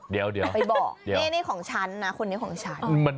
เดี๋ยวไปบอกนี่ของฉันนะคนนี้ของฉัน